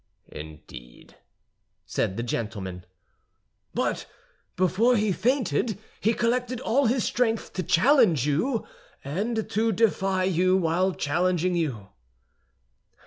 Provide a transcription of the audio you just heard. "Indeed!" said the gentleman. "But before he fainted, he collected all his strength to challenge you, and to defy you while challenging you."